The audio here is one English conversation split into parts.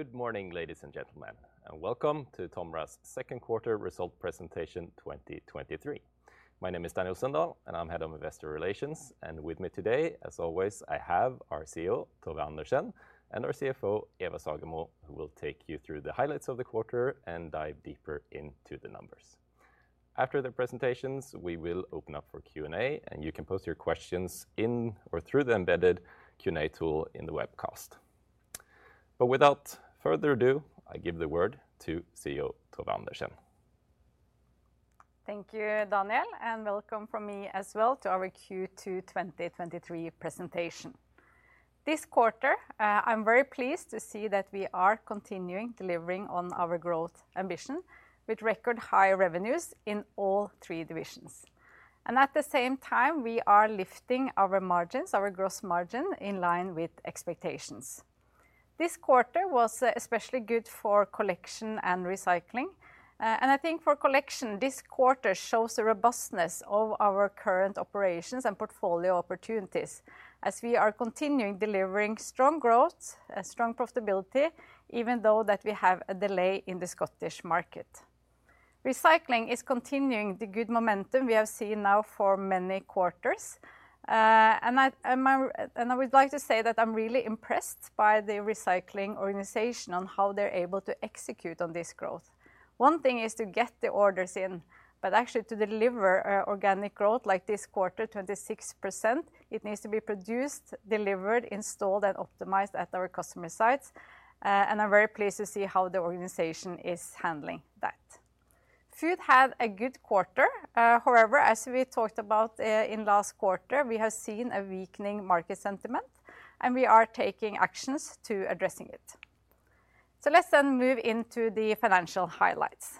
Good morning, ladies and gentlemen, welcome to TOMRA's Q2 result Presentation 2023. My name is Daniel Sundahl, I'm Head of Investor Relations, with me today, as always, I have our CEO, Tove Andersen, and our CFO, Eva Sagemo, who will take you through the highlights of the quarter and dive deeper into the numbers. After the presentations, we will open up for Q&A, you can post your questions in or through the embedded Q&A tool in the webcast. Without further ado, I give the word to CEO, Tove Andersen. Thank you, Daniel, and welcome from me as well to our Q2 2023 presentation. This quarter, I'm very pleased to see that we are continuing delivering on our growth ambition, with record high revenues in all three divisions. At the same time, we are lifting our margins, our gross margin, in line with expectations. This quarter was especially good for collection and recycling. I think for collection, this quarter shows the robustness of our current operations and portfolio opportunities as we are continuing delivering strong growth, strong profitability, even though that we have a delay in the Scottish market. Recycling is continuing the good momentum we have seen now for many quarters. I would like to say that I'm really impressed by the recycling organization on how they're able to execute on this growth. One thing is to get the orders in, but actually to deliver organic growth like this quarter, 26%, it needs to be produced, delivered, installed, and optimized at our customer sites. I'm very pleased to see how the organization is handling that. Food had a good quarter. However, as we talked about in last quarter, we have seen a weakening market sentiment, and we are taking actions to addressing it. Let's then move into the financial highlights.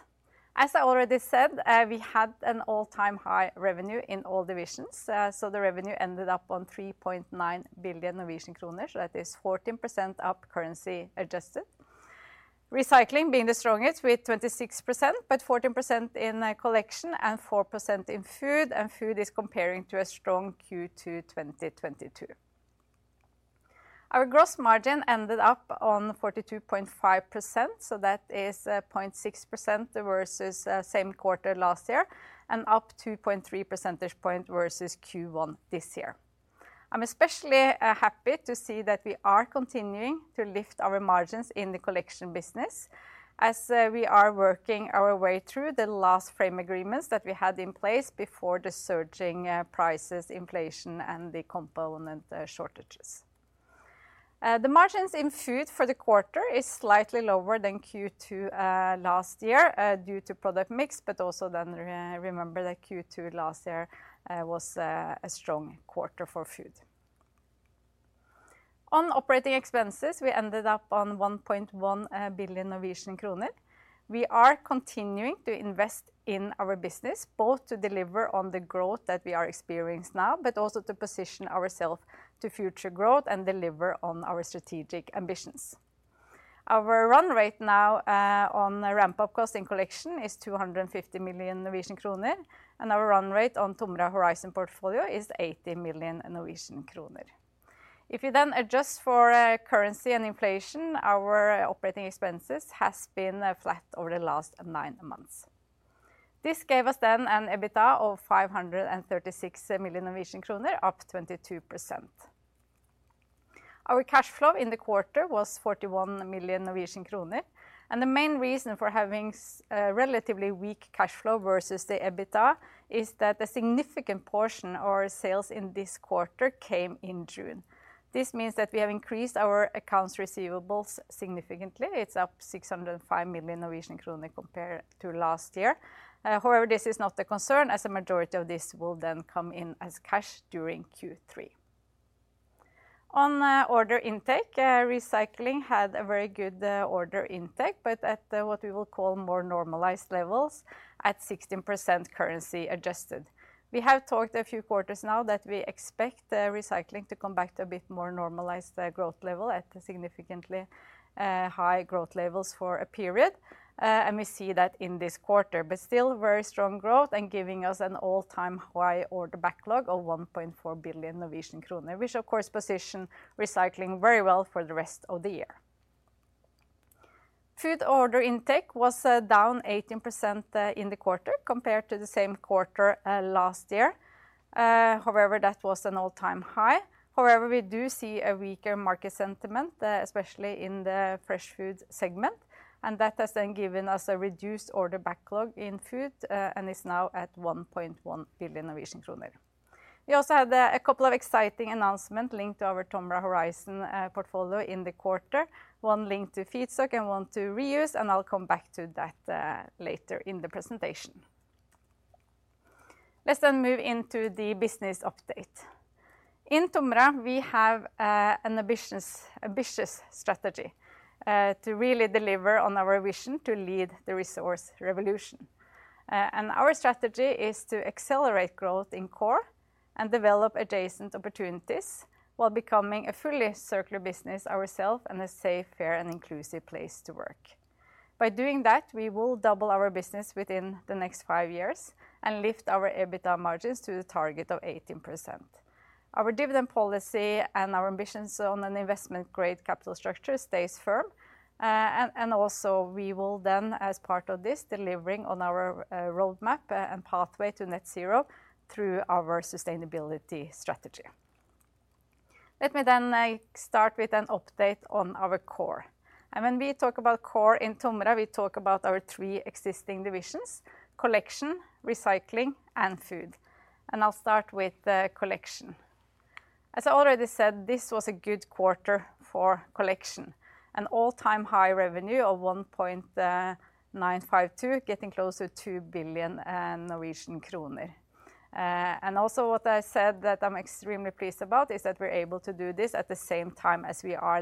As I already said, we had an all-time high revenue in all divisions, the revenue ended up on 3.9 billion Norwegian kroner, that is 14% up currency adjusted. Recycling being the strongest with 26%, 14% in Collection and 4% in Food is comparing to a strong Q2 2022. Our gross margin ended up on 42.5%, 0.6% versus same quarter last year, up 2.3 percentage points versus Q1 this year. I'm especially happy to see that we are continuing to lift our margins in the Collection business as we are working our way through the last frame agreements that we had in place before the surging prices, inflation, and the component shortages. The margins in Food for the quarter is slightly lower than Q2 last year due to product mix, but also then remember that Q2 last year was a strong quarter for Food. On operating expenses, we ended up on 1.1 billion Norwegian kroner. We are continuing to invest in our business, both to deliver on the growth that we are experienced now, also to position ourself to future growth and deliver on our strategic ambitions. Our run rate now on the ramp-up cost in TOMRA Collection is 250 million Norwegian kroner, our run rate on TOMRA Horizon portfolio is 80 million Norwegian kroner. If you adjust for currency and inflation, our operating expenses has been flat over the last nine months. This gave us an EBITDA of 536 million Norwegian kroner, up 22%. Our cash flow in the quarter was 41 million Norwegian kroner, the main reason for having relatively weak cash flow versus the EBITDA is that a significant portion of our sales in this quarter came in June. This means that we have increased our accounts receivables significantly. It's up 605 million Norwegian kroner compared to last year. However, this is not a concern, as a majority of this will then come in as cash during Q3. On order intake, TOMRA Recycling had a very good order intake, but at what we will call more normalized levels at 16% currency adjusted. We have talked a few quarters now that we expect TOMRA Recycling to come back to a bit more normalized growth level at a significantly high growth levels for a period, and we see that in this quarter, but still very strong growth and giving us an all-time high order backlog of 1.4 billion Norwegian kroner, which of course position TOMRA Recycling very well for the rest of the year. Food order intake was down 18% in the quarter compared to the same quarter last year. That was an all-time high. We do see a weaker market sentiment, especially in the fresh Food segment, and that has then given us a reduced order backlog in Food, and is now at 1.1 billion Norwegian kroner. We also had a couple of exciting announcement linked to our TOMRA horizon portfolio in the quarter, one linked to Feedstock and one to Reuse, and I'll come back to that later in the presentation. Let's move into the business update. In TOMRA, we have an ambitious strategy to really deliver on our vision to lead the resource revolution. Our strategy is to accelerate growth in core and develop adjacent opportunities while becoming a fully circular business ourself and a safe, fair, and inclusive place to work. By doing that, we will double our business within the next five years and lift our EBITDA margins to the target of 18%. Our dividend policy and our ambitions on an investment-grade capital structure stays firm. Also, we will then, as part of this, delivering on our roadmap and pathway to net zero through our sustainability strategy. Let me then start with an update on our core. When we talk about core in TOMRA, we talk about our three existing divisions: collection, recycling, and food. I'll start with the collection. As I already said, this was a good quarter for collection, an all-time high revenue of 1.952 billion Norwegian kroner. Also what I said that I'm extremely pleased about, is that we're able to do this at the same time as we are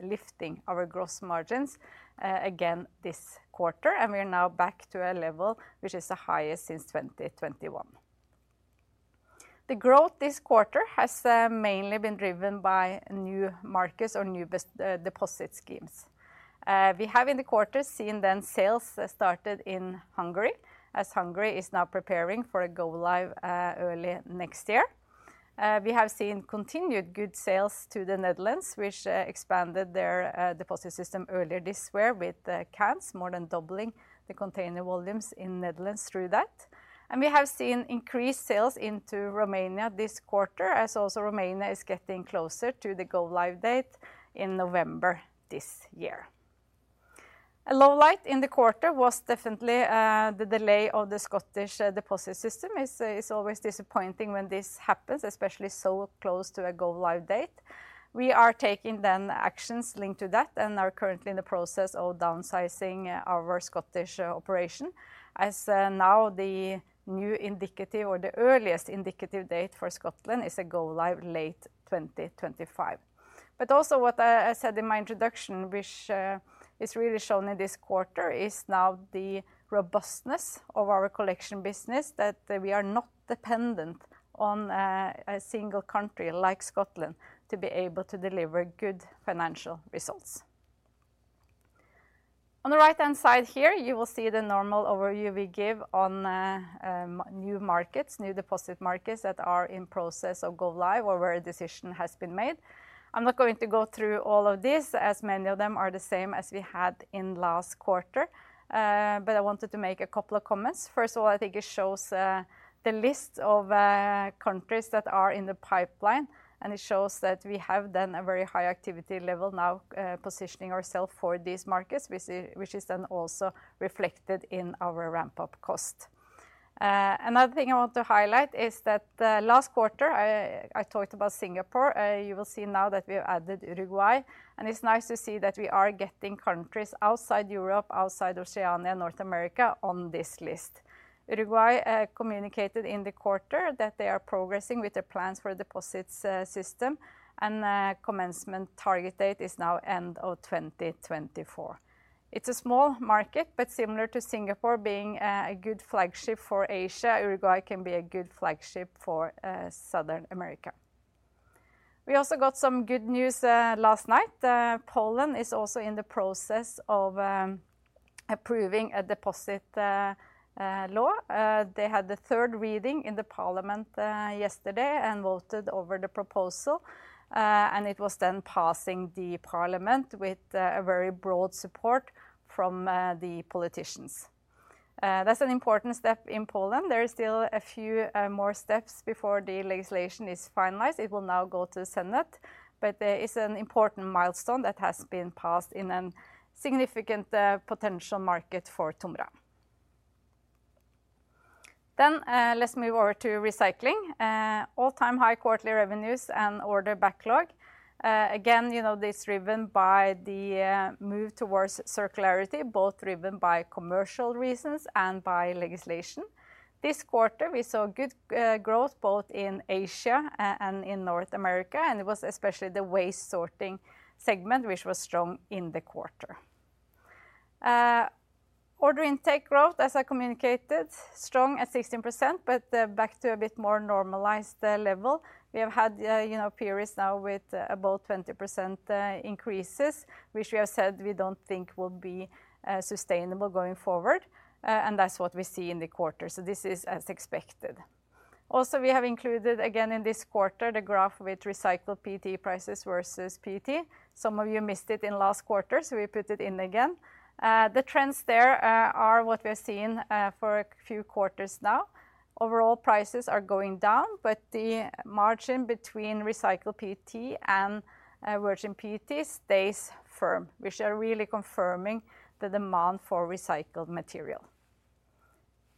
lifting our gross margins again this quarter, and we're now back to a level which is the highest since 2021. The growth this quarter has mainly been driven by new markets or new deposit schemes. We have in the quarter seen then sales started in Hungary, as Hungary is now preparing for a go live early next year. We have seen continued good sales to the Netherlands, which expanded their deposit system earlier this year with cans, more than doubling the container volumes in Netherlands through that. We have seen increased sales into Romania this quarter, as also Romania is getting closer to the go-live date in November, this year. A low light in the quarter was definitely the delay of the Scottish deposit system. It's always disappointing when this happens, especially so close to a go-live date. We are taking then actions linked to that, and are currently in the process of downsizing our Scottish operation, as now the new indicative or the earliest indicative date for Scotland is a go live late 2025. Also what I said in my introduction, which is really shown in this quarter, is now the robustness of our collection business, that we are not dependent on a single country like Scotland, to be able to deliver good financial results. On the right-hand side here, you will see the normal overview we give on new markets, new deposit markets that are in process of go live or where a decision has been made. I'm not going to go through all of this, as many of them are the same as we had in last quarter, but I wanted to make a couple of comments. First of all, I think it shows the list of countries that are in the pipeline. It shows that we have then a very high activity level now, positioning ourself for these markets, which is then also reflected in our ramp-up cost. Another thing I want to highlight is that last quarter, I talked about Singapore. You will see now that we have added Uruguay. It's nice to see that we are getting countries outside Europe, outside Oceania, and North America on this list. Uruguay, communicated in the quarter that they are progressing with their plans for deposits system, and commencement target date is now end of 2024. It's a small market, but similar to Singapore, being a good flagship for Asia, Uruguay can be a good flagship for Southern America. We also got some good news last night. Poland is also in the process of approving a deposit law. They had the 3rd reading in the parliament yesterday, and voted over the proposal. It was then passing the parliament with a very broad support from the politicians. That's an important step in Poland. There are still a few more steps before the legislation is finalized. It will now go to the Senate, but it's an important milestone that has been passed in a significant potential market for TOMRA. Let's move over to recycling. All-time high quarterly revenues and order backlog. Again, you know, this is driven by the move towards circularity, both driven by commercial reasons and by legislation. This quarter, we saw good growth both in Asia and in North America, it was especially the waste sorting segment, which was strong in the quarter. Order intake growth, as I communicated, strong at 16%, but back to a bit more normalized level. We have had, you know, periods now with about 20% increases, which we have said we don't think will be sustainable going forward. That's what we see in the quarter, so this is as expected. Also, we have included again in this quarter, the graph with recycled PET prices versus PET. Some of you missed it in last quarter, so we put it in again. The trends there, are what we have seen for a few quarters now. Overall prices are going down, but the margin between recycled PET and virgin PET stays firm, which are really confirming the demand for recycled material.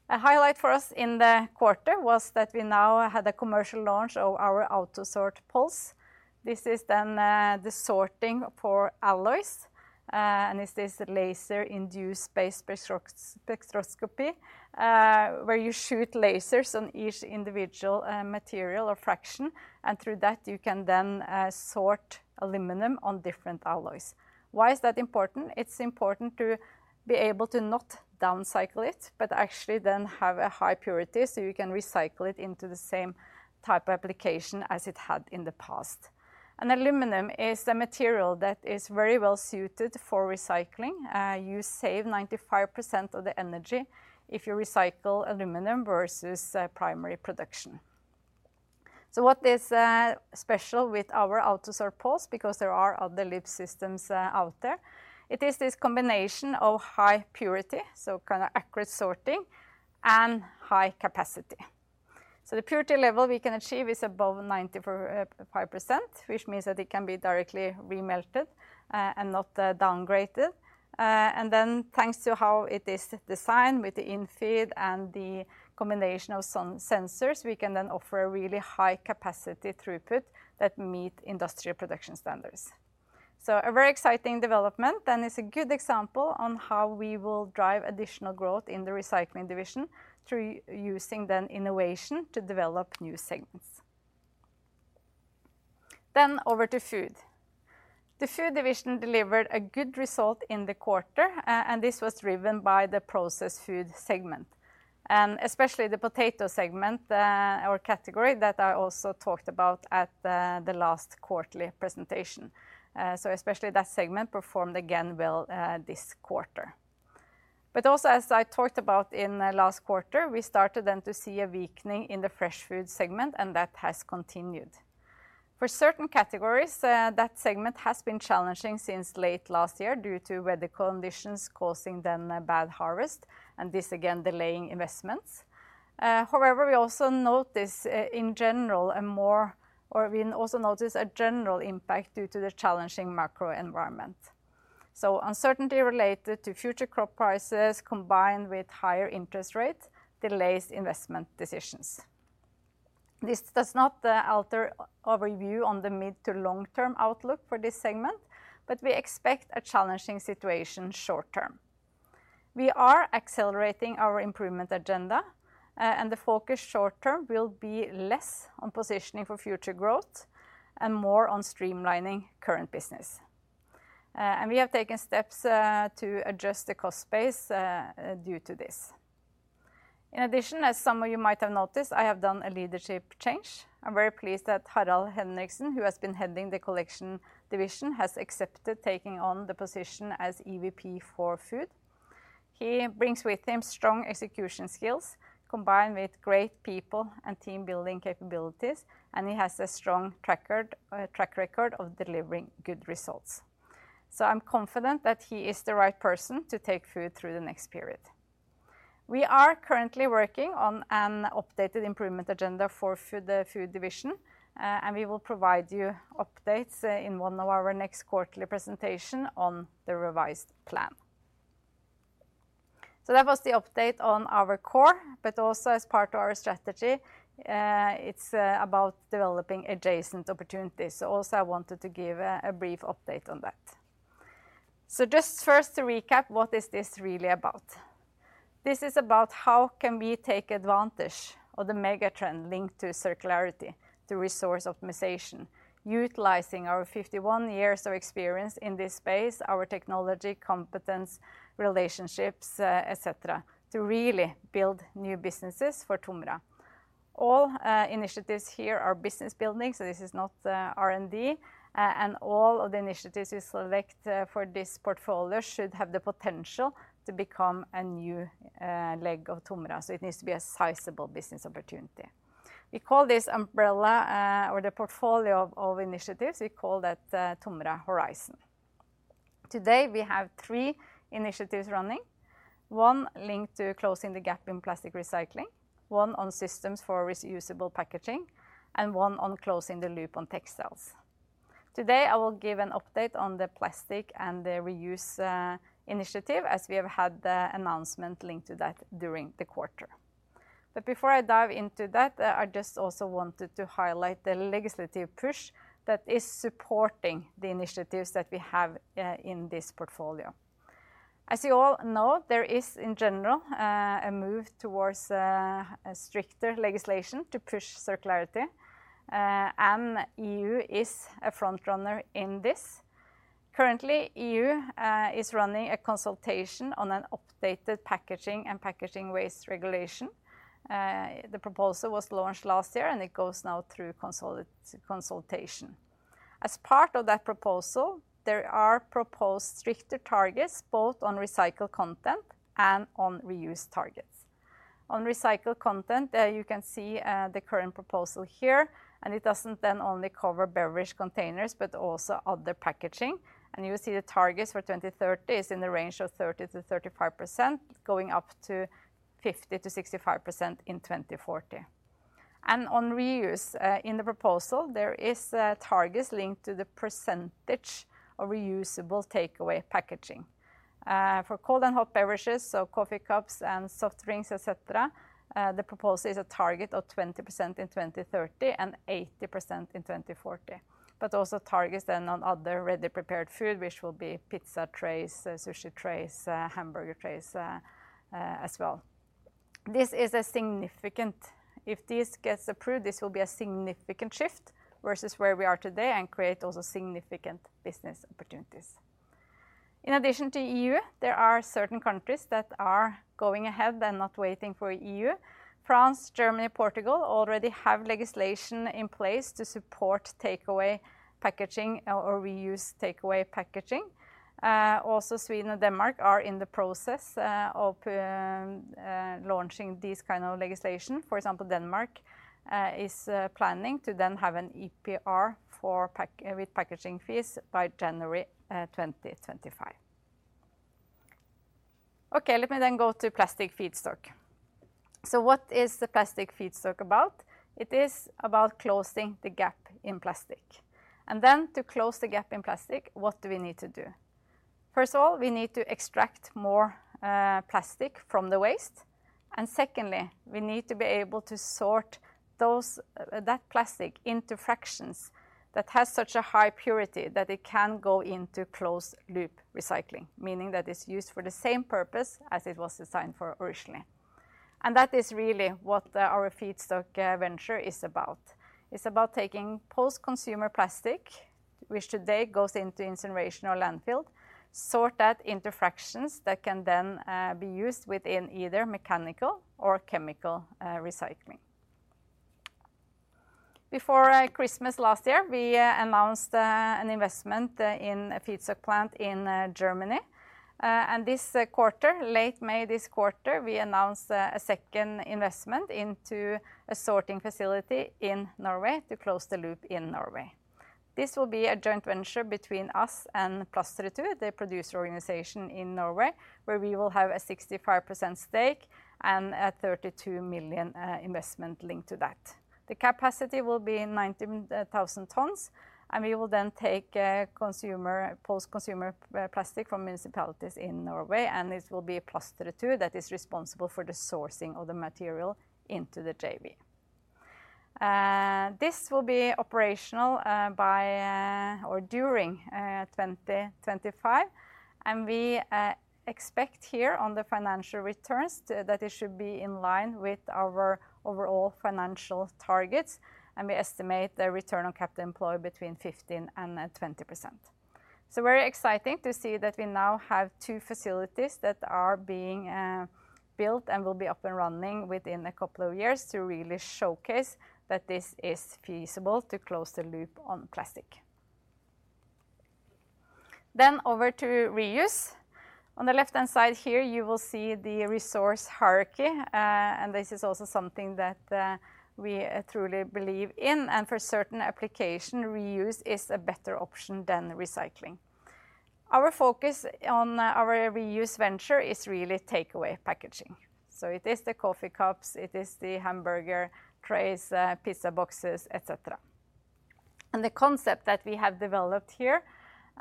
A highlight for us in the quarter was that we now had a commercial launch of our AUTOSORT PULSE. This is then the sorting for alloys, and this is laser-induced breakdown spectroscopy, where you shoot lasers on each individual material or fraction, and through that you can then sort aluminum on different alloys. Why is that important? It's important to be able to not downcycle it, but actually then have a high purity, so you can recycle it into the same type of application as it had in the past. Aluminum is a material that is very well-suited for recycling. You save 95% of the energy if you recycle aluminum versus primary production. What is special with our AUTOSORT PULSE? There are other loop systems out there. It is this combination of high purity, so kind of accurate sorting, and high capacity. The purity level we can achieve is above 94.5%, which means that it can be directly remelted and not downgraded. Thanks to how it is designed with the in-feed and the combination of some sensors, we can then offer a really high capacity throughput that meet industrial production standards. A very exciting development, and it's a good example on how we will drive additional growth in the TOMRA Recycling division through using innovation to develop new segments. Over to TOMRA Food. The Food division delivered a good result in the quarter. This was driven by the Process Food segment, and especially the potato segment, or category that I also talked about at the last quarterly presentation. Especially that segment performed again well this quarter. Also, as I talked about in the last quarter, we started then to see a weakening in the Fresh Food segment, and that has continued. For certain categories, that segment has been challenging since late last year due to weather conditions causing then a bad harvest, and this again delaying investments. However, we also notice a general impact due to the challenging macro environment. Uncertainty related to future crop prices, combined with higher interest rates, delays investment decisions. This does not alter our view on the mid to long-term outlook for this segment. We expect a challenging situation short term. We are accelerating our improvement agenda, and the focus short term will be less on positioning for future growth and more on streamlining current business. We have taken steps to adjust the cost base due to this. In addition, as some of you might have noticed, I have done a leadership change. I'm very pleased that Harald Henriksen, who has been heading the Collection division, has accepted taking on the position as EVP for Food. He brings with him strong execution skills, combined with great people and team-building capabilities, and he has a strong track record of delivering good results. I'm confident that he is the right person to take Food through the next period. We are currently working on an updated improvement agenda for Food, the Food division, and we will provide you updates in one of our next quarterly presentation on the revised plan. That was the update on our core, but also as part of our strategy, it's about developing adjacent opportunities. Also I wanted to give a brief update on that. Just first to recap, what is this really about? This is about how can we take advantage of the mega trend linked to circularity through resource optimization, utilizing our 51 years of experience in this space, our technology, competence, relationships, et cetera, to really build new businesses for TOMRA. All initiatives here are business building, so this is not R&D, and all of the initiatives we select for this portfolio should have the potential to become a new leg of TOMRA. It needs to be a sizable business opportunity. We call this umbrella, or the portfolio of initiatives, we call that TOMRA Horizon. Today, we have three initiatives running: one linked to closing the gap in plastic recycling, one on systems for reusable packaging, and one on closing the loop on textiles. Today, I will give an update on the plastic and the reuse initiative, as we have had the announcement linked to that during the quarter. Before I dive into that, I just also wanted to highlight the legislative push that is supporting the initiatives that we have in this portfolio. As you all know, there is in general a move towards a stricter legislation to push circularity, and EU is a front runner in this. Currently, EU is running a consultation on an updated Packaging and Packaging Waste Regulation. The proposal was launched last year, and it goes now through consultation. As part of that proposal, there are proposed stricter targets, both on recycled content and on reuse targets. On recycled content, you can see the current proposal here, and it doesn't then only cover beverage containers, but also other packaging. You will see the targets for 2030 is in the range of 30% to 35%, going up to 50% to 65% in 2040. On reuse, in the proposal, there is targets linked to the percentage of reusable takeaway packaging. For cold and hot beverages, so coffee cups and soft drinks, et cetera, the proposal is a target of 20% in 2030 and 80% in 2040, also targets then on other ready-prepared food, which will be pizza trays, sushi trays, hamburger trays, as well. This is a significant. If this gets approved, this will be a significant shift versus where we are today and create also significant business opportunities. In addition to EU, there are certain countries that are going ahead and not waiting for EU. France, Germany, Portugal already have legislation in place to support takeaway packaging or reuse takeaway packaging. Also, Sweden and Denmark are in the process of launching these kind of legislation. For example, Denmark is planning to have an EPR with packaging fees by January 2025. Let me go to plastic feedstock. What is the plastic feedstock about? It is about closing the gap in plastic. To close the gap in plastic, what do we need to do? First of all, we need to extract more plastic from the waste, and secondly, we need to be able to sort those that plastic into fractions that has such a high purity that it can go into closed-loop recycling, meaning that it's used for the same purpose as it was designed for originally. That is really what our feedstock venture is about. It's about taking post-consumer plastic, which today goes into incineration or landfill, sort that into fractions that can then be used within either mechanical or chemical recycling. Before Christmas last year, we announced an investment in a feedstock plant in Germany. This quarter, late May this quarter, we announced a second investment into a sorting facility in Norway to close the loop in Norway. This will be a joint venture between us and Plastretur, the producer organization in Norway, where we will have a 65% stake and a 32 million investment linked to that. The capacity will be 19,000 tons, and we will then take consumer, post-consumer plastic from municipalities in Norway, and this will be Plastretur that is responsible for the sourcing of the material into the JV. This will be operational by or during 2025, and we expect here on the financial returns that it should be in line with our overall financial targets, and we estimate the return on capital employed between 15% and 20%. Very exciting to see that we now have two facilities that are being built and will be up and running within a couple of years to really showcase that this is feasible to close the loop on plastic. Over to reuse. On the left-hand side here, you will see the resource hierarchy, and this is also something that we truly believe in, and for certain application, reuse is a better option than recycling. Our focus on our reuse venture is really takeaway packaging. It is the coffee cups, it is the hamburger trays, pizza boxes, et cetera. The concept that we have developed here,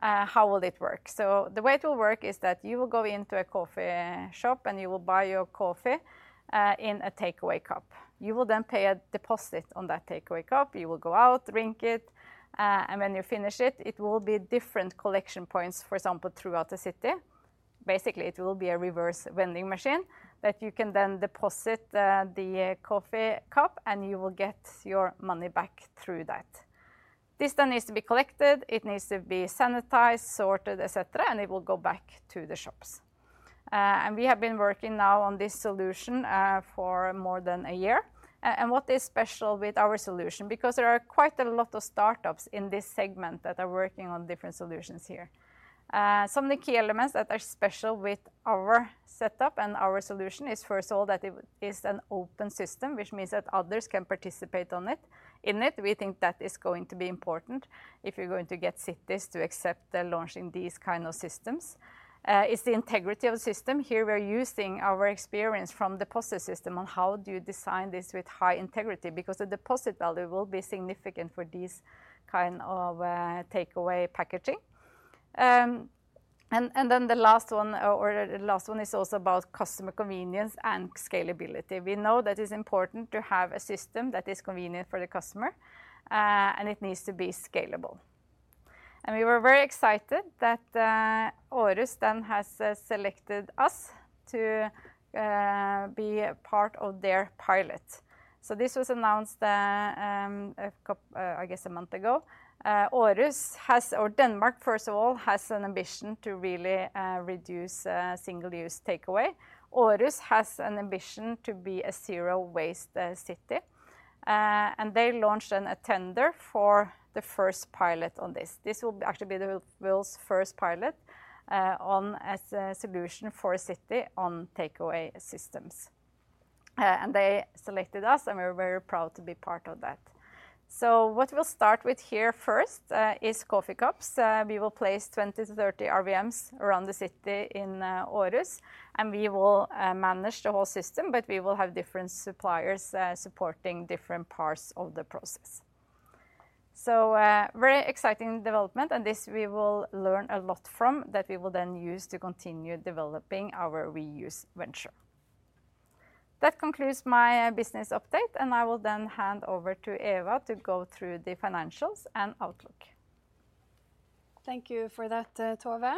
how will it work? The way it will work is that you will go into a coffee shop, and you will buy your coffee in a takeaway cup. You will pay a deposit on that takeaway cup. You will go out, drink it, and when you finish it will be different collection points, for example, throughout the city. Basically, it will be a reverse vending machine that you can deposit the coffee cup, and you will get your money back through that. This needs to be collected, it needs to be sanitized, sorted, et cetera, and it will go back to the shops. We have been working now on this solution for more than a year. What is special with our solution? Because there are quite a lot of startups in this segment that are working on different solutions here. Some of the key elements that are special with our setup and our solution is, first of all, that it is an open system, which means that others can participate on it, in it. We think that is going to be important if you're going to get cities to accept launching these kind of systems. It's the integrity of the system. Here, we're using our experience from deposit system on how do you design this with high integrity, because the deposit value will be significant for these kind of takeaway packaging. Then the last one, is also about customer convenience and scalability. We know that it's important to have a system that is convenient for the customer, and it needs to be scalable. We were very excited that Aarhus then has selected us to be a part of their pilot. This was announced a month ago. Aarhus has or Denmark, first of all, has an ambition to really reduce single-use takeaway. Aarhus has an ambition to be a zero-waste city. They launched an, a tender for the first pilot on this. This will actually be the world's first pilot on as a solution for a city on takeaway systems. They selected us, and we're very proud to be part of that. What we'll start with here first, is coffee cups. We will place 20 to 30 RVMs around the city in Aarhus, and we will manage the whole system, but we will have different suppliers supporting different parts of the process. Very exciting development, and this we will learn a lot from, that we will then use to continue developing our reuse venture. That concludes my business update, and I will then hand over to Eva to go through the financials and outlook. Thank you for that, Tove.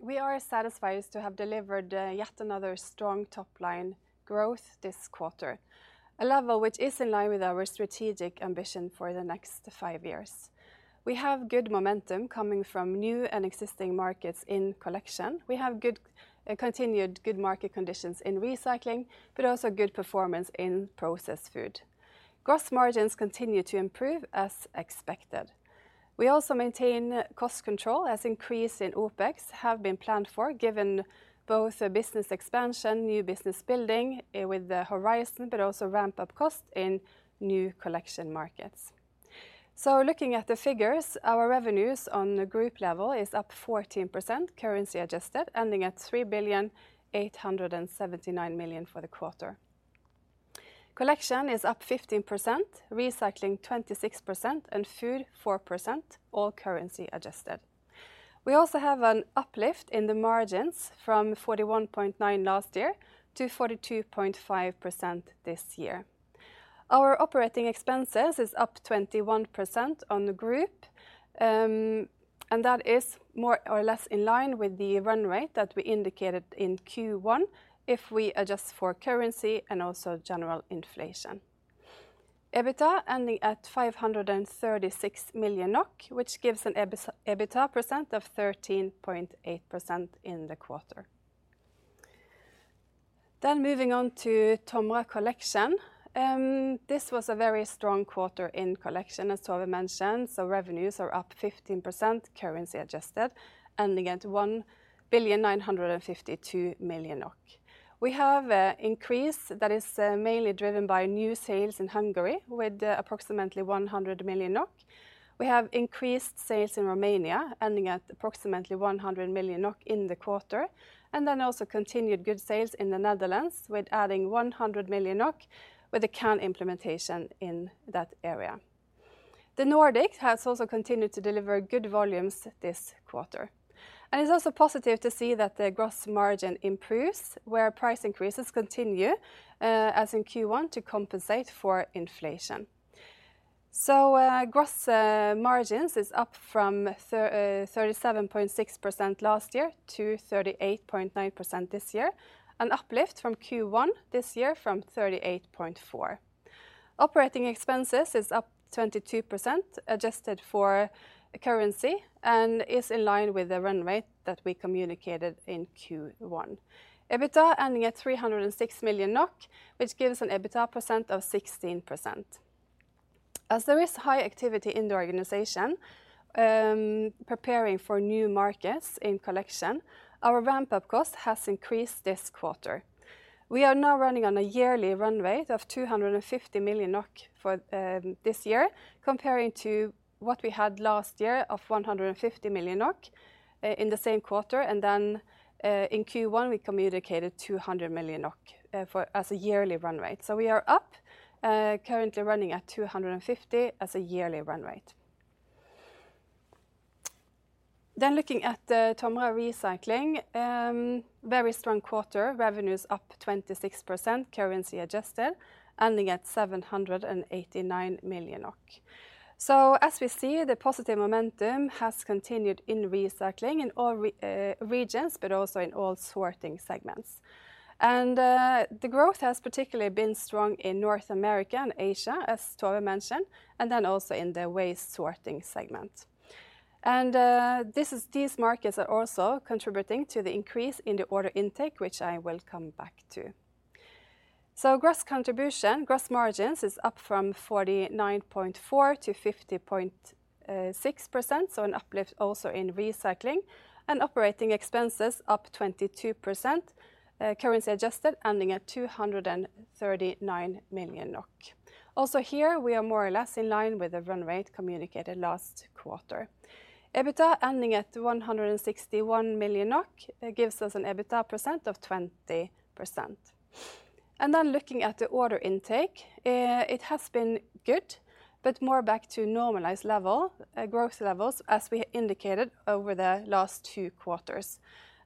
We are satisfied to have delivered yet another strong top line growth this quarter, a level which is in line with our strategic ambition for the next 5 years. We have good momentum coming from new and existing markets in collection. We have good continued good market conditions in recycling, but also good performance in processed food. Gross margins continue to improve as expected. We also maintain cost control as increase in OpEx have been planned for, given both a business expansion, new business building with the horizon, but also ramp-up cost in new collection markets. Looking at the figures, our revenues on the group level is up 14% currency adjusted, ending at 3, 879, 000, 000 million for the quarter. Collection is up 15%, recycling 26%, and food 4%, all currency adjusted. We also have an uplift in the margins from 41.9% last year to 42.5% this year. Our operating expenses is up 21% on the group, and that is more or less in line with the run rate that we indicated in Q1 if we adjust for currency and also general inflation. EBITDA ending at 536 million NOK, which gives an EBITDA percent of 13.8% in the quarter. Moving on to TOMRA Collection. This was a very strong quarter in collection, as Tove mentioned, revenues are up 15% currency adjusted, ending at 1 NOK, 952, 000, 000. We have increase that is mainly driven by new sales in Hungary with approximately 100 million NOK. We have increased sales in Romania, ending at approximately 100 million NOK in the quarter, also continued good sales in the Netherlands with adding 100 million NOK with the can implementation in that area. The Nordic has also continued to deliver good volumes this quarter, it's also positive to see that the gross margin improves, where price increases continue as in Q1 to compensate for inflation. Gross margins is up from 37.6% last year to 38.9% this year, an uplift from Q1 this year from 38.4%. Operating expenses is up 22%, adjusted for currency, is in line with the run rate that we communicated in Q1. EBITDA ending at 306 million NOK, which gives an EBITDA % of 16%. As there is high activity in the organization, preparing for new markets in collection, our ramp-up cost has increased this quarter. We are now running on a yearly run rate of 250 million NOK for this year, comparing to what we had last year of 150 million NOK in the same quarter, and then in Q1, we communicated 200 million NOK for as a yearly run rate. We are up, currently running at 250 as a yearly run rate. Looking at TOMRA Recycling, very strong quarter. Revenues up 26%, currency adjusted, ending at 789 million. As we see, the positive momentum has continued in recycling in all regions, but also in all sorting segments. The growth has particularly been strong in North America and Asia, as Tove mentioned, and then also in the waste sorting segment. These markets are also contributing to the increase in the order intake, which I will come back to. Gross contribution, gross margins is up from 49.4% to 50.6%, so an uplift also in recycling. Operating expenses up 22%, currency adjusted, ending at 239 million NOK. Also here, we are more or less in line with the run rate communicated last quarter. EBITDA ending at 161 million NOK gives us an EBITDA percent of 20%. Looking at the order intake, it has been good, but more back to normalized level, growth levels, as we indicated over the last two quarters,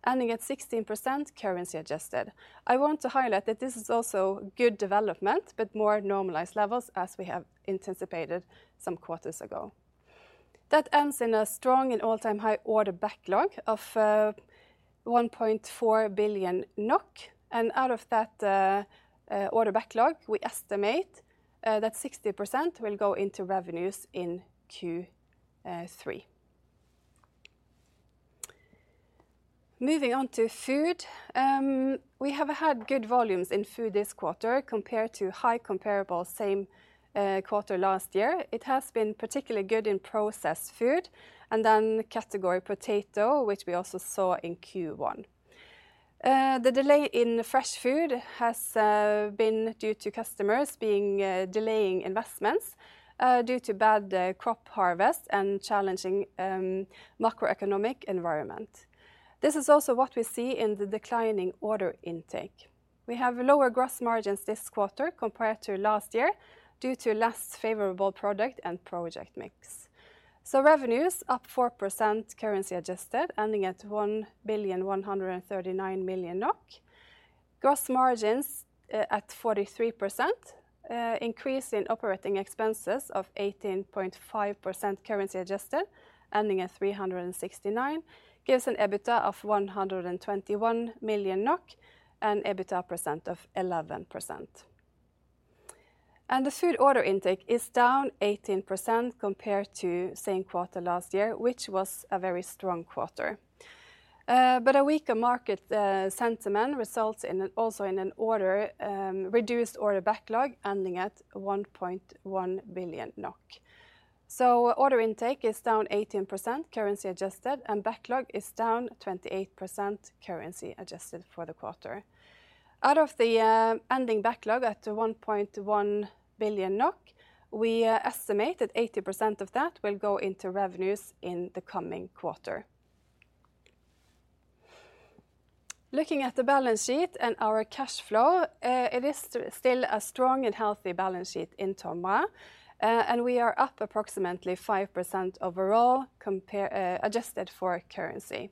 ending at 16% currency adjusted. I want to highlight that this is also good development, but more normalized levels as we have anticipated some quarters ago. That ends in a strong and all-time high order backlog of 1.4 billion NOK, and out of that order backlog, we estimate that 60% will go into revenues in Q3. Moving on to food. We have had good volumes in food this quarter compared to high comparable same quarter last year. It has been particularly good in processed food and then category potato, which we also saw in Q1. The delay in fresh food has been due to customers being delaying investments due to bad crop harvest and challenging macroeconomic environment. This is also what we see in the declining order intake. We have lower gross margins this quarter compared to last year due to less favorable product and project mix. Revenues up 4%, currency adjusted, ending at 1 NOK, 139, 000, 000. Gross margins at 43%, increase in operating expenses of 18.5% currency adjusted, ending at 369 million, gives an EBITDA of 121 million NOK and EBITDA percent of 11%. The food order intake is down 18% compared to same quarter last year, which was a very strong quarter. A weaker market sentiment results in a reduced order backlog, ending at 1.1 billion NOK. Order intake is down 18%, currency adjusted, and backlog is down 28%, currency adjusted for the quarter. Out of the ending backlog at the 1.1 billion NOK, we estimate that 80% of that will go into revenues in the coming quarter. Looking at the balance sheet and our cash flow, it is still a strong and healthy balance sheet in TOMRA, and we are up approximately 5% overall compare, adjusted for currency.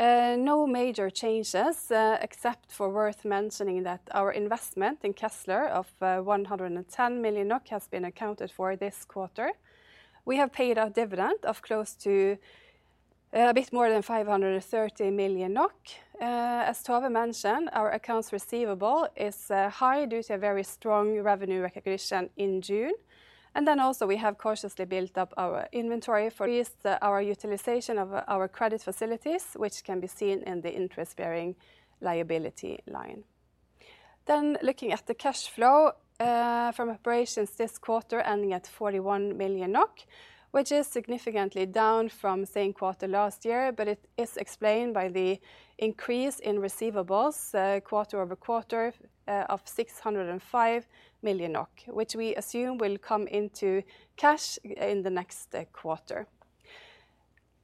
No major changes, except for worth mentioning that our investment in Kezzler of 110 million NOK has been accounted for this quarter. We have paid a dividend of close to, a bit more than 530 million NOK. As Tove mentioned, our accounts receivable is high due to a very strong revenue recognition in June. Also, we have cautiously built up our inventory for our utilization of our credit facilities, which can be seen in the interest-bearing liability line. Looking at the cash flow from operations this quarter, ending at 41 million NOK, which is significantly down from same quarter last year. It is explained by the increase in receivables, quarter-over-quarter, of 605 million NOK, which we assume will come into cash in the next quarter.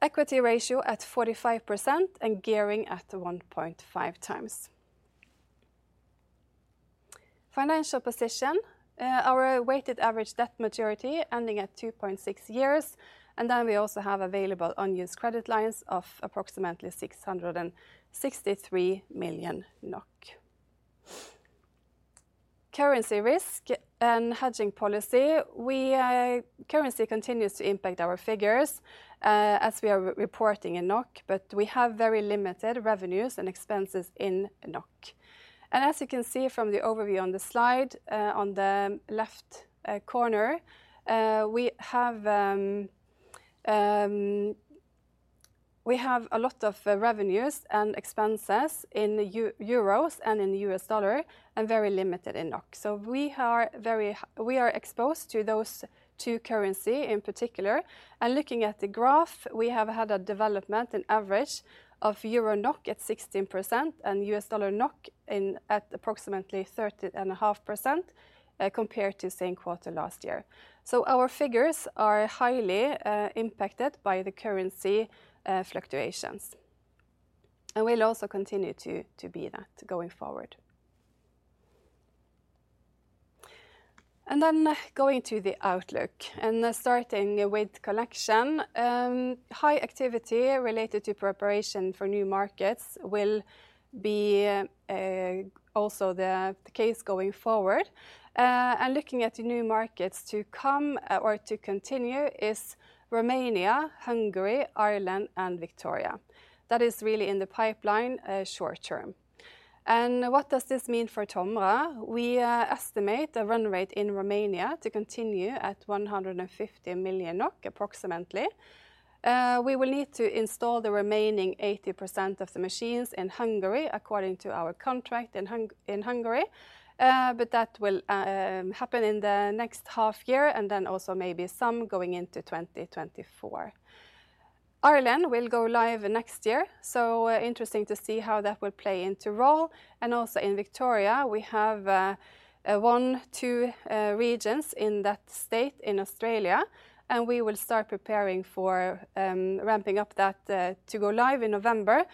Equity ratio at 45% and gearing at 1.5 times. Financial position, our weighted average debt maturity ending at 2.6 years. We also have available unused credit lines of approximately 663 million NOK. Currency risk and hedging policy. We, currency continues to impact our figures, as we are reporting in NOK, we have very limited revenues and expenses in NOK. As you can see from the overview on the slide, on the left corner, we have a lot of revenues and expenses in euros and in the US dollar and very limited in NOK. We are very we are exposed to those two currency in particular. Looking at the graph, we have had a development, an average of EUR NOK at 16% and USD NOK in, at approximately 30.5%, compared to same quarter last year. Our figures are highly impacted by the currency fluctuations, and will also continue to be that going forward. Going to the outlook, and starting with Collection, high activity related to preparation for new markets will be also the case going forward. Looking at the new markets to come, or to continue is Romania, Hungary, Ireland, and Victoria. That is really in the pipeline, short term. What does this mean for TOMRA? We estimate the run rate in Romania to continue at 150 million NOK, approximately. We will need to install the remaining 80% of the machines in Hungary, according to our contract in Hungary, but that will happen in the next half year, and then also maybe some going into 2024. Ireland will go live next year, interesting to see how that will play into role. Also in Victoria, we have one, two regions in that state in Australia, and we will start preparing for ramping up that to go live in November.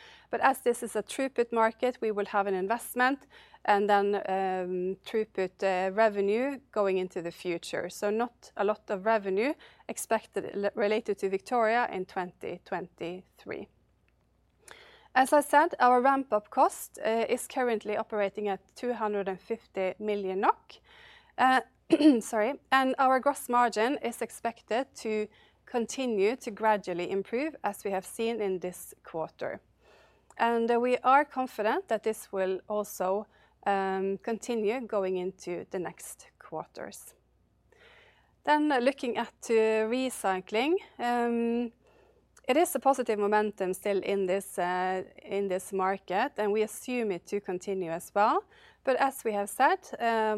As this is a throughput market, we will have an investment and then throughput revenue going into the future. Not a lot of revenue expected related to Victoria in 2023. As I said, our ramp-up cost is currently operating at 250 million NOK. Sorry. Our gross margin is expected to continue to gradually improve, as we have seen in this quarter. We are confident that this will also continue going into the next quarters. Looking at recycling, it is a positive momentum still in this market, and we assume it to continue as well. As we have said,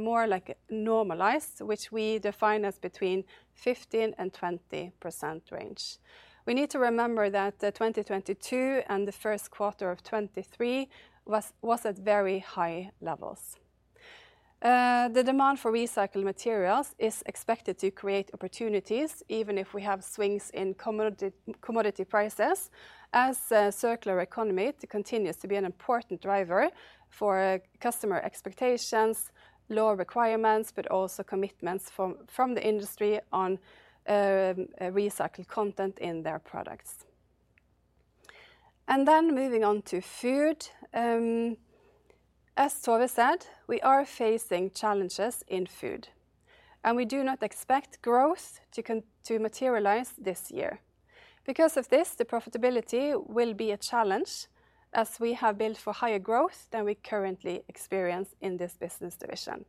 more like normalized, which we define as between 15% and 20% range. We need to remember that the 2022 and the Q1 of 2023 was at very high levels. The demand for recycled materials is expected to create opportunities, even if we have swings in commodity prices, as circular economy continues to be an important driver for customer expectations, law requirements, but also commitments from the industry on recycled content in their products. Moving on to Food. As Tove said, we are facing challenges in Food, and we do not expect growth to materialize this year. Because of this, the profitability will be a challenge as we have built for higher growth than we currently experience in this business division.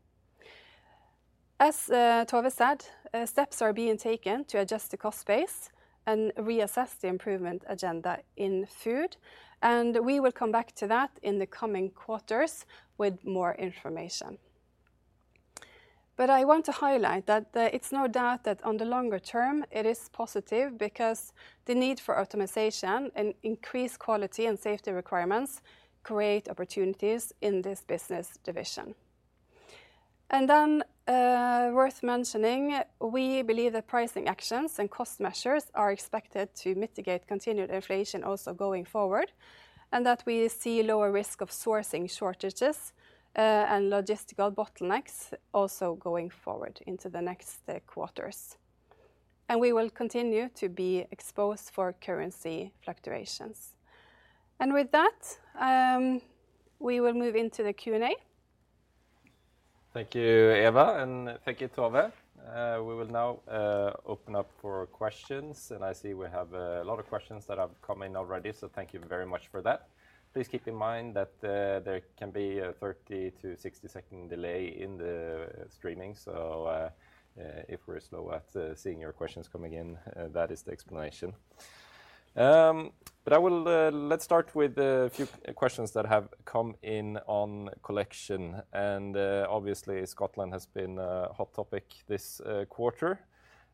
As Tove said, steps are being taken to adjust the cost base and reassess the improvement agenda in Food, and we will come back to that in the coming quarters with more information. I want to highlight that it's no doubt that on the longer term, it is positive because the need for optimization and increased quality and safety requirements create opportunities in this business division. Worth mentioning, we believe the pricing actions and cost measures are expected to mitigate continued inflation also going forward, and that we see lower risk of sourcing shortages and logistical bottlenecks also going forward into the next quarters. We will continue to be exposed for currency fluctuations. With that, we will move into the Q&A. Thank you, Eva, and thank you, Tove. We will now open up for questions. I see we have a lot of questions that have come in already, so thank you very much for that. Please keep in mind that there can be a 30 to 60-second delay in the streaming, so if we're slow at seeing your questions coming in, that is the explanation. Let's start with a few questions that have come in on Collection, and obviously, Scotland has been a hot topic this quarter.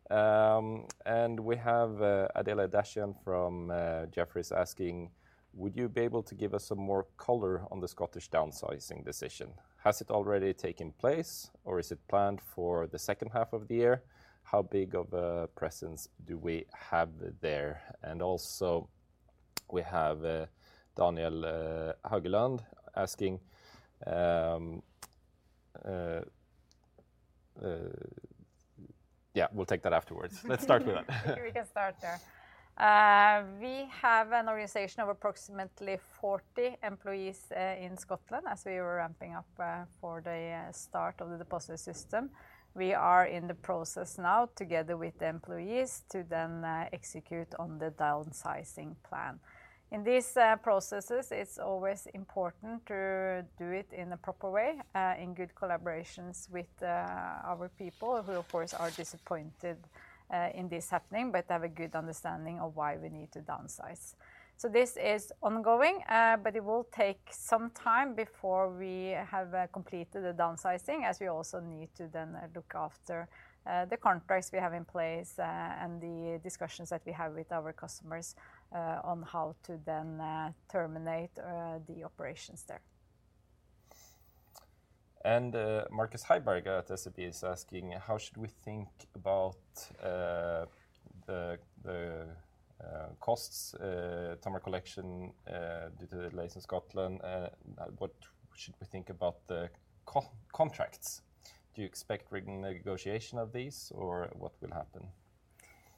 We have Adela Dashian from Jefferies asking: Would you be able to give us some more color on the Scottish downsizing decision? Has it already taken place, or is it planned for the second half of the year? How big of a presence do we have there? We have Daniel Hagelund asking. Yeah, we'll take that afterwards. Let's start with that. We can start there. We have an organization of approximately 40 employees in Scotland, as we were ramping up for the start of the deposit system. We are in the process now, together with the employees, to then execute on the downsizing plan. In these processes, it's always important to do it in a proper way, in good collaborations with our people, who, of course, are disappointed in this happening but have a good understanding of why we need to downsize. This is ongoing, but it will take some time before we have completed the downsizing, as we also need to then look after the contracts we have in place and the discussions that we have with our customers on how to then terminate the operations there. Markus Heiberg at SEB is asking: "How should we think about the costs TOMRA Collection due to the delays in Scotland? What should we think about the contracts? Do you expect renegotiation of these, or what will happen?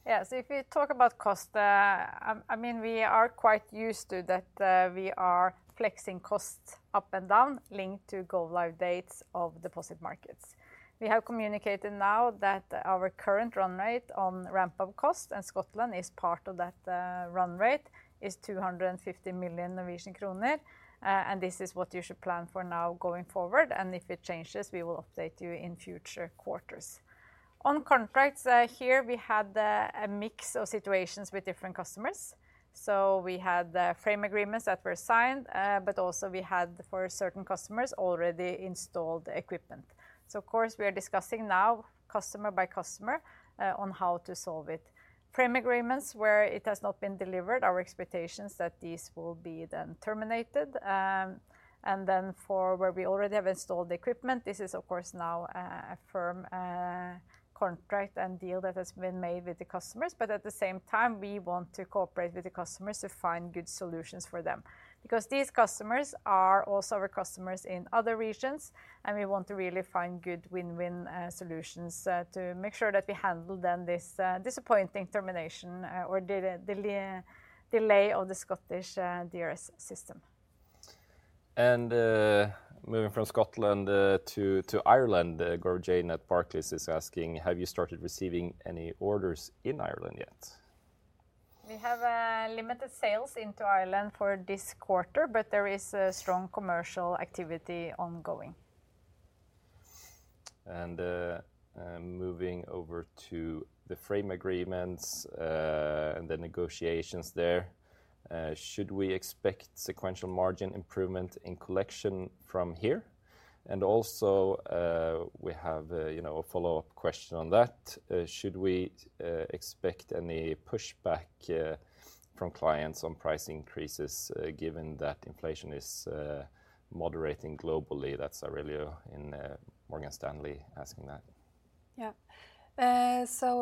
Yes, if we talk about cost, I mean, we are quite used to that, we are flexing costs up and down, linked to go-live dates of deposit markets. We have communicated now that our current run rate on ramp-up cost, and Scotland is part of that run rate, is 250 million Norwegian kroner, and this is what you should plan for now going forward, and if it changes, we will update you in future quarters. On contracts, here we had a mix of situations with different customers. We had the frame agreements that were signed, but also we had, for certain customers, already installed equipment. Of course, we are discussing now, customer by customer, on how to solve it. Frame agreements where it has not been delivered, our expectation is that these will be then terminated. For where we already have installed the equipment, this is of course now, a firm contract and deal that has been made with the customers. At the same time, we want to cooperate with the customers to find good solutions for them, because these customers are also our customers in other regions, and we want to really find good win-win solutions to make sure that we handle then this disappointing termination or delay of the Scottish DRS system. Moving from Scotland to Ireland, Gaurav Jain at Barclays is asking: Have you started receiving any orders in Ireland yet? We have limited sales into Ireland for this quarter, but there is a strong commercial activity ongoing. Moving over to the frame agreements and the negotiations there, Should we expect sequential margin improvement in Collection from here? Also, we have, you know, a follow-up question on that. Should we expect any pushback from clients on price increases given that inflation is moderating globally That's Aurelio in Morgan Stanley asking that. Yeah.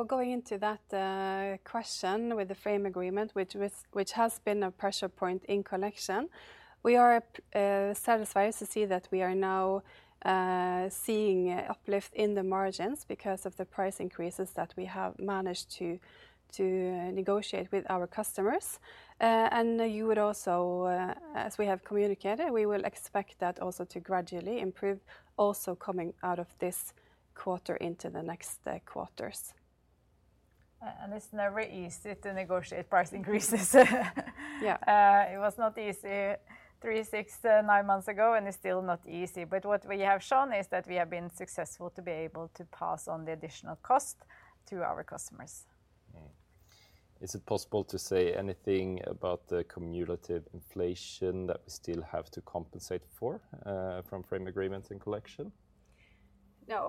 Going into that question with the frame agreement, which has been a pressure point in collection, we are satisfied to see that we are now seeing uplift in the margins because of the price increases that we have managed to negotiate with our customers. You would also, as we have communicated, we will expect that also to gradually improve, also coming out of this quarter into the next quarters. It's never easy to negotiate price increases. Yeah. It was not easy three, six, nine months ago, and it's still not easy. What we have shown is that we have been successful to be able to pass on the additional cost to our customers. Is it possible to say anything about the cumulative inflation that we still have to compensate for from frame agreement in Collection? No.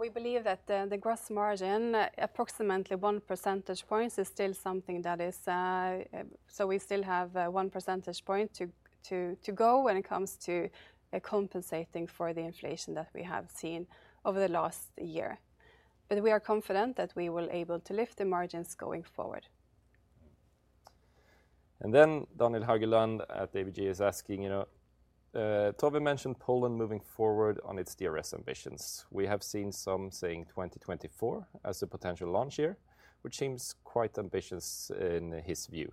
We believe that the gross margin, approximately 1 percentage points, is still something that is. We still have 1 percentage point to go when it comes to compensating for the inflation that we have seen over the last year. We are confident that we will able to lift the margins going forward. Daniel Haglund at ABG is asking, you know, Tove mentioned Poland moving forward on its DRS ambitions. We have seen some saying 2024 as a potential launch year, which seems quite ambitious in his view.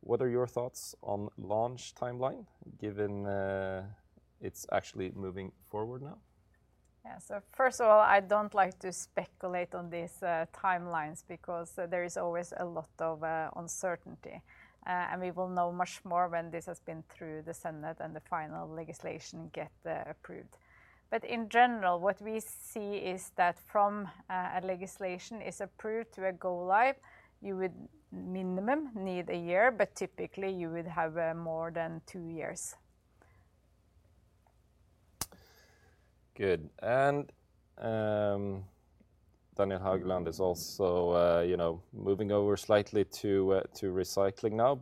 What are your thoughts on launch timeline, given it's actually moving forward now? First of all, I don't like to speculate on these timelines because there is always a lot of uncertainty. And we will know much more when this has been through the Senate and the final legislation get approved. In general, what we see is that from a legislation is approved to a go live, you would minimum need a year, but typically you would have more than two years. Good. Daniel Haglund is also, you know, moving over slightly to recycling now,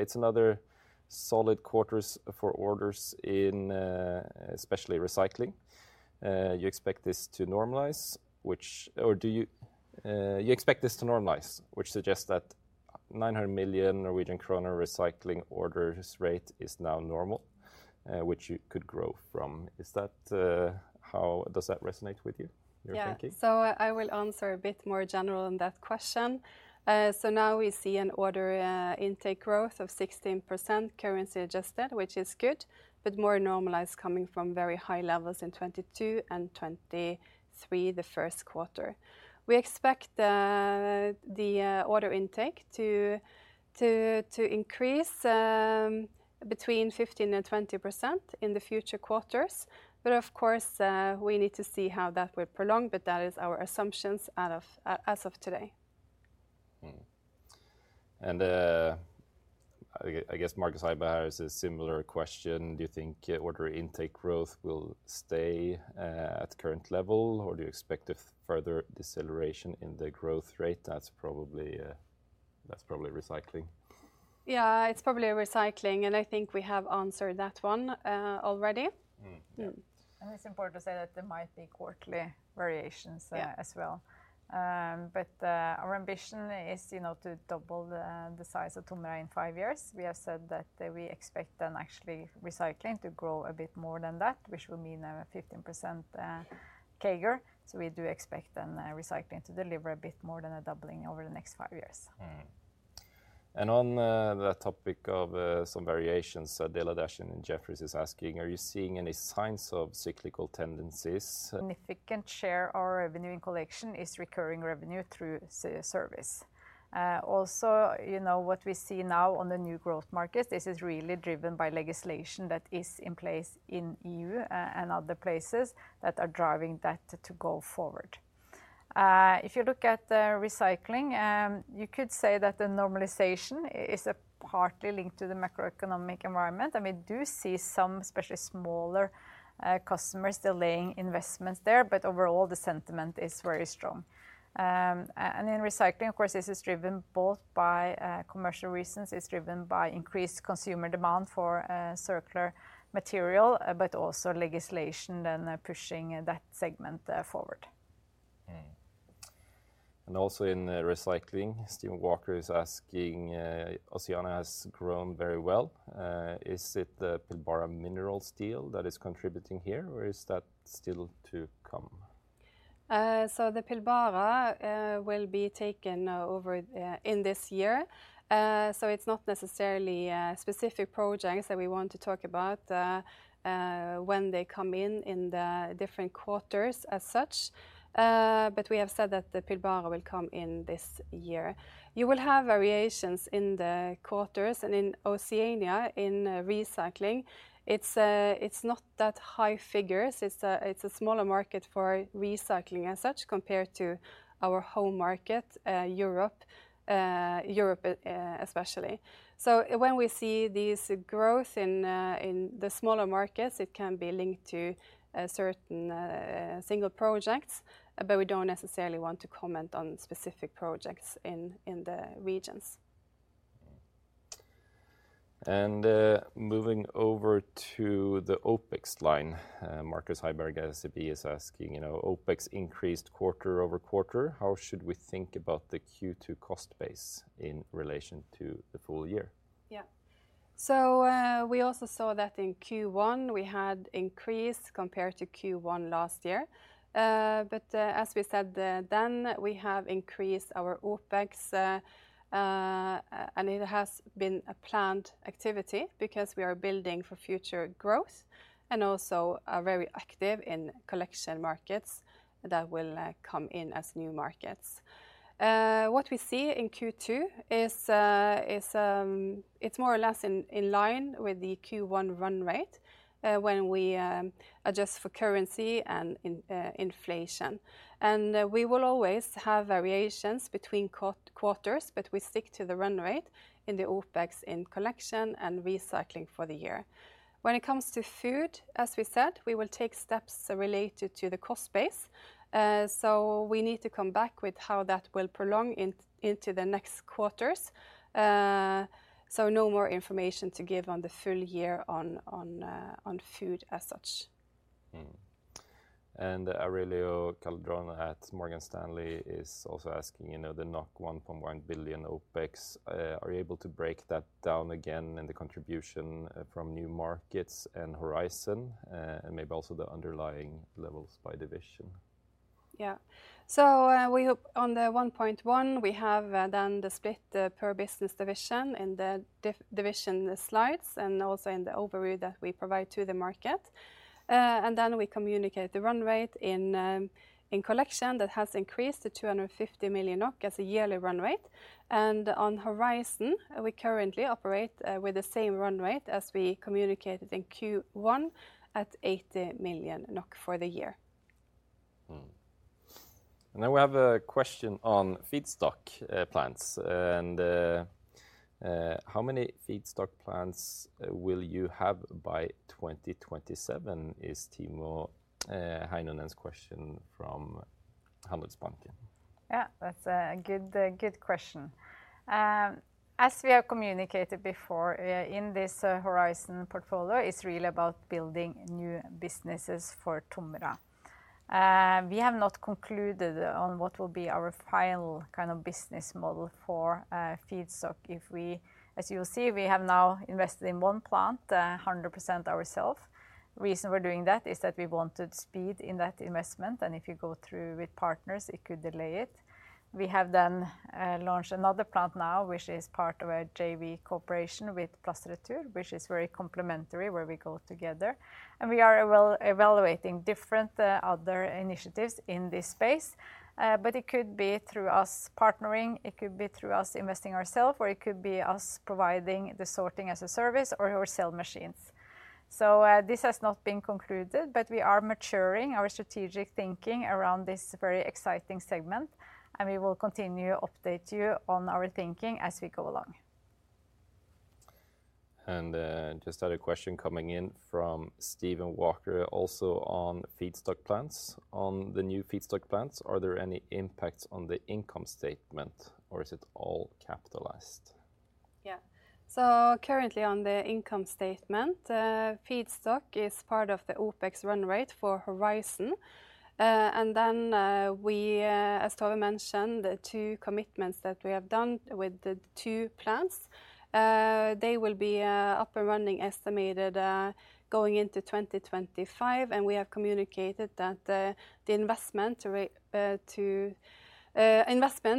It's another solid quarters for orders in especially recycling. You expect this to normalize, do you expect this to normalize, which suggests that 900 million Norwegian kroner recycling orders rate is now normal, which you could grow from? Does that resonate with you, your thinking? I will answer a bit more general on that question. Now we see an order intake growth of 16% currency adjusted, which is good, but more normalized coming from very high levels in 2022 and 2023, the Q1. We expect the order intake to increase between 15% and 20% in the future quarters. Of course, we need to see how that will prolong, but that is our assumptions as of today. I guess Marcus Heiberg has a similar question: Do you think order intake growth will stay at current level, or do you expect a further deceleration in the growth rate? That's probably recycling. Yeah, it's probably recycling, and I think we have answered that one, already. It's important to say that there might be quarterly variations. Yeah as well. Our ambition is, you know, to double the size of TOMRA in five years. We have said that we expect then actually recycling to grow a bit more than that, which will mean a 15% CAGR. We do expect then recycling to deliver a bit more than a doubling over the next five years. On that topic of some variations, Adela Dashian in Jefferies is asking, are you seeing any signs of cyclical tendencies? A significant share our revenue in TOMRA Collection is recurring revenue through service. Also, you know, what we see now on the new growth market, this is really driven by legislation that is in place in EU and other places, that are driving that to go forward. If you look at the TOMRA Recycling, you could say that the normalization is partly linked to the macroeconomic environment, and we do see some, especially smaller customers delaying investments there, but overall the sentiment is very strong. In TOMRA Recycling, of course, this is driven both by commercial reasons, it's driven by increased consumer demand for circular material, but also legislation then pushing that segment forward. Also in recycling, Steven Walker is asking, Oceania has grown very well. Is it the Pilbara Minerals deal that is contributing here, or is that still to come? The Pilbara will be taken over in this year. It's not necessarily specific projects that we want to talk about when they come in the different quarters as such. We have said that the Pilbara will come in this year. You will have variations in the quarters and in Oceania, in recycling. It's not that high figures. It's a smaller market for recycling as such, compared to our home market, Europe, especially. When we see these growth in the smaller markets, it can be linked to certain single projects, but we don't necessarily want to comment on specific projects in the regions.... moving over to the OpEx line, Markus Heiberg at SEB is asking, you know, "OpEx increased quarter-over-quarter. How should we think about the Q2 cost base in relation to the full year? We also saw that in Q1, we had increased compared to Q1 last year. As we said, then, we have increased our OpEx, and it has been a planned activity because we are building for future growth and also are very active in collection markets that will come in as new markets. What we see in Q2 is, it's more or less in line with the Q1 run rate, when we adjust for currency and inflation. We will always have variations between quarters, but we stick to the run rate in the OpEx in collection and recycling for the year. When it comes to food, as we said, we will take steps related to the cost base. We need to come back with how that will prolong into the next quarters. No more information to give on the full year on food as such. Aurelio Calderon at Morgan Stanley is also asking, you know, The 1.1 billion OpEx, are you able to break that down again and the contribution from new markets and Horizon, and maybe also the underlying levels by division? Yeah. We hope on the 1.1, we have then the split per business division in the division slides and also in the overview that we provide to the market. We communicate the run rate in TOMRA Collection that has increased to 250 million NOK as a yearly run rate. On TOMRA Horizon, we currently operate with the same run rate as we communicated in Q1 at 80 million NOK for the year. Now we have a question on feedstock, plants, How many feedstock plants will you have by 2027? Is Timo Heinonen's question from Handelsbanken. That's a good question. As we have communicated before, in this Horizon portfolio, it's really about building new businesses for TOMRA. We have not concluded on what will be our final kind of business model for a feedstock. As you will see, we have now invested in 1 plant, 100% ourself. Reason we're doing that is that we wanted speed in that investment, and if you go through with partners, it could delay it. We have then launched another plant now, which is part of a JV cooperation with Plastretur, which is very complementary, where we go together, and we are evaluating different other initiatives in this space. It could be through us partnering, it could be through us investing ourself, or it could be us providing the sorting as a service or our sale machines. This has not been concluded, but we are maturing our strategic thinking around this very exciting segment, and we will continue to update you on our thinking as we go along. Just had a question coming in from Steven Walker, also on feedstock plants. On the new feedstock plants, are there any impacts on the income statement, or is it all capitalized? Yeah. Currently on the income statement, feedstock is part of the OpEx run rate for Horizon. Then we, as Tove mentioned, the two commitments that we have done with the two plants, they will be up and running, estimated, going into 2025, and we have communicated that the investment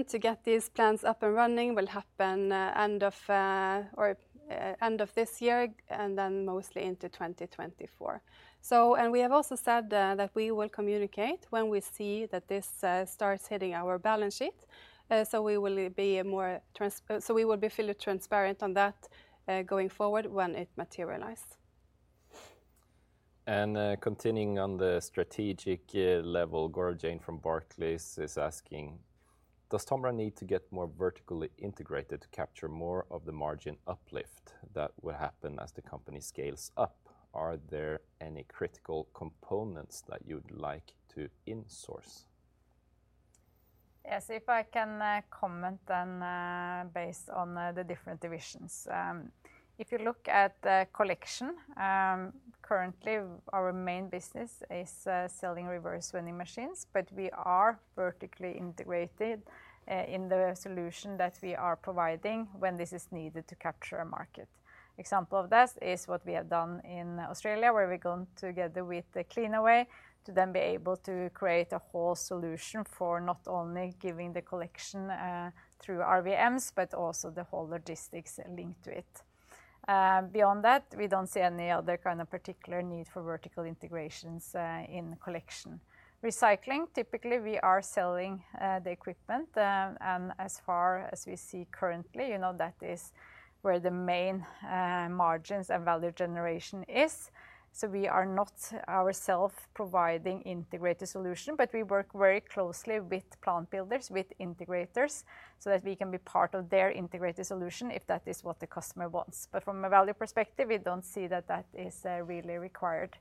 to get these plants up and running will happen end of, or, end of this year, and then mostly into 2024. And we have also said that we will communicate when we see that this starts hitting our balance sheet. We will be fully transparent on that going forward when it materialize. Continuing on the strategic level, Gaurav Jain from Barclays is asking, Does TOMRA need to get more vertically integrated to capture more of the margin uplift that would happen as the company scales up? Are there any critical components that you'd like to insource? If I can comment based on the different divisions. If you look at the collection, currently our main business is selling reverse vending machines, but we are vertically integrated in the solution that we are providing when this is needed to capture a market. Example of this is what we have done in Australia, where we've gone together with Cleanaway to then be able to create a whole solution for not only giving the collection through RVMs, but also the whole logistics linked to it. Beyond that, we don't see any other kind of particular need for vertical integrations in collection. Recycling, typically, we are selling the equipment. As far as we see currently, you know, that is where the main margins and value generation is. We are not ourselves providing integrated solution, we work very closely with plant builders, with integrators, so that we can be part of their integrated solution if that is what the customer wants. From a value perspective, we don't see that that is really required.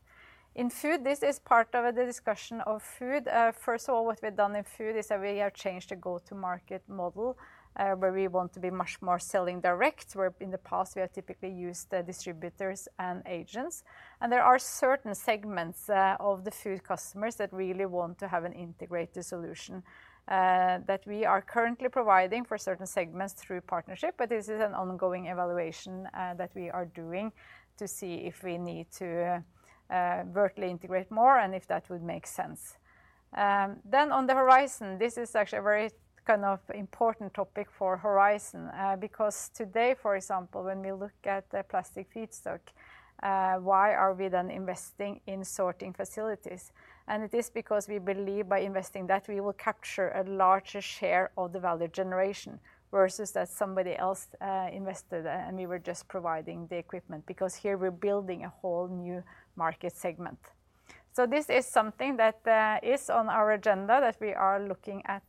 In Food, this is part of the discussion of Food. First of all, what we've done in Food is that we have changed the go-to-market model, where we want to be much more selling direct, where in the past we have typically used the distributors and agents. There are certain segments of the TOMRA Food customers that really want to have an integrated solution that we are currently providing for certain segments through partnership, but this is an ongoing evaluation that we are doing to see if we need to vertically integrate more and if that would make sense. On TOMRA Horizon, this is actually a very kind of important topic for TOMRA Horizon, because today, for example, when we look at the plastic feedstock, why are we then investing in sorting facilities? It is because we believe by investing that we will capture a larger share of the value generation, versus that somebody else invested, and we were just providing the equipment, because here we're building a whole new market segment. This is something that is on our agenda, that we are looking at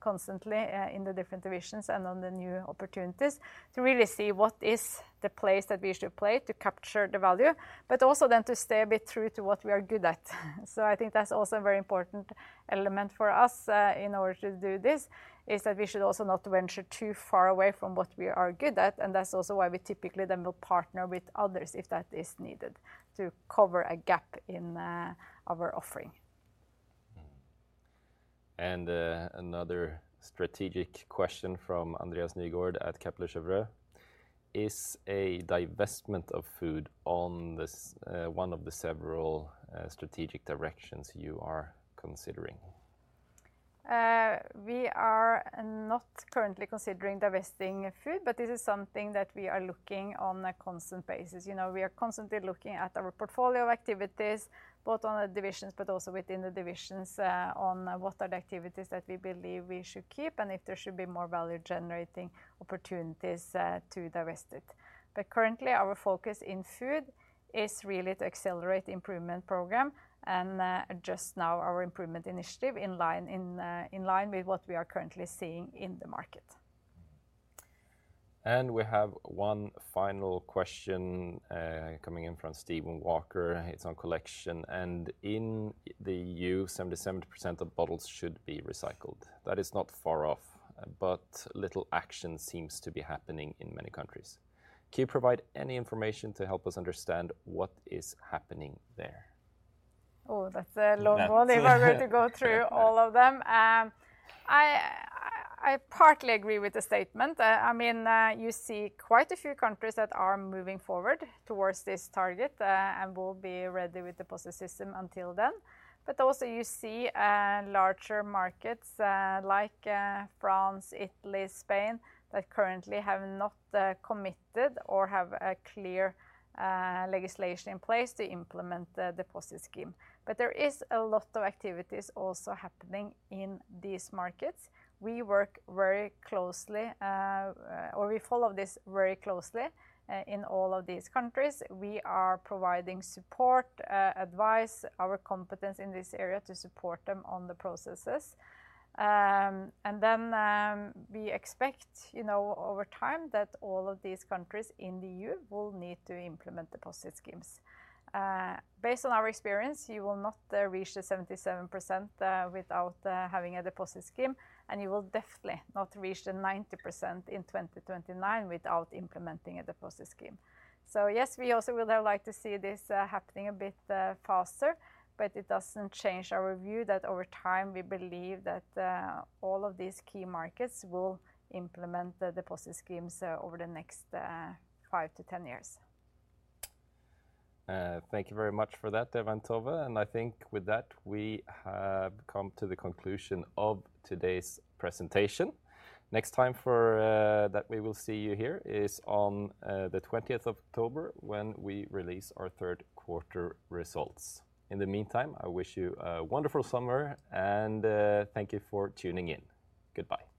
constantly in the different divisions and on the new opportunities, to really see what is the place that we should play to capture the value, but also then to stay a bit true to what we are good at. I think that's also a very important element for us in order to do this, is that we should also not venture too far away from what we are good at. That's also why we typically then will partner with others if that is needed, to cover a gap in our offering. Another strategic question from Andreas Nygård at Kepler Cheuvreux: Is a divestment of Food on this, one of the several strategic directions you are considering? We are not currently considering divesting Food, this is something that we are looking on a constant basis. You know, we are constantly looking at our portfolio of activities, both on the divisions but also within the divisions, on what are the activities that we believe we should keep, and if there should be more value-generating opportunities, to divest it. Currently, our focus in Food is really to accelerate the improvement program and adjust now our improvement initiative in line with what we are currently seeing in the market. We have one final question, coming in from Steven Walker. It's on collection, and: In the EU, 77% of bottles should be recycled. That is not far off, but little action seems to be happening in many countries. Can you provide any information to help us understand what is happening there? That's a long one. If I were to go through all of them. I partly agree with the statement. I mean, you see quite a few countries that are moving forward towards this target and will be ready with deposit system until then. Also you see larger markets like France, Italy, Spain, that currently have not committed or have a clear legislation in place to implement the deposit scheme. There is a lot of activities also happening in these markets. We work very closely or we follow this very closely in all of these countries. We are providing support, advice, our competence in this area to support them on the processes. We expect, you know, over time, that all of these countries in the EU will need to implement deposit schemes. Based on our experience, you will not reach the 77% without having a deposit scheme, and you will definitely not reach the 90% in 2029 without implementing a deposit scheme. Yes, we also would have liked to see this happening a bit faster, but it doesn't change our view that over time, we believe that all of these key markets will implement the deposit schemes over the next 5 to 10 years. Thank you very much for that, Tove Andersen. I think with that, we have come to the conclusion of today's presentation. Next time for that we will see you here is on the 20th of October 2023, when we release our Q3 results. In the meantime, I wish you a wonderful summer. Thank you for tuning in. Goodbye.